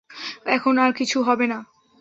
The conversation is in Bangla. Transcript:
এখন আর কিছু হবেনা।